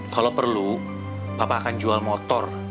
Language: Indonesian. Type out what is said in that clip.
kalau perlu bapak akan jual motor